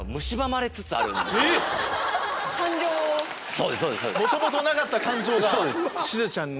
そうですそうです。